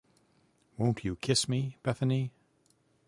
Won't you kiss me, Bethany?